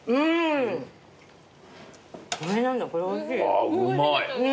あうまい。